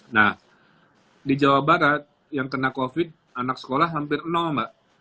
nah di jawa barat yang kena covid anak sekolah hampir nol mbak